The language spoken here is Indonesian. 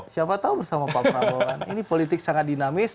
siapa tahu bersama pak prabowo ini politik sangat dinamis